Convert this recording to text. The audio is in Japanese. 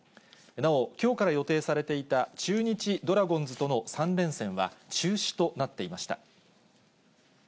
なお、きょうから予定されていた中日ドラゴンズとの３連戦は中止となっていました。